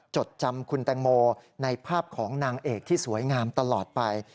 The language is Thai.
จดจำคุณแตงโมในภาพของนางเอกที่สวยงามตลอดไป